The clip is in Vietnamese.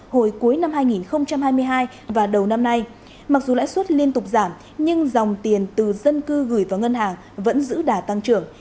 hồi cuối năm hai nghìn hai mươi hai và đầu năm nay mặc dù lãi suất liên tục giảm nhưng dòng tiền từ dân cư gửi vào ngân hàng vẫn giữ đà tăng trưởng